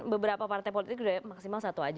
beberapa partai politik maksimal satu saja